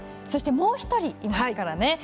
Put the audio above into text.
そして、もう１人いますからね。